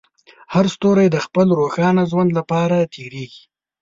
هر ستوری د خپل روښانه ژوند لپاره تېرېږي.